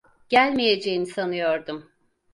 Gelmeyeceğini sanıyordum.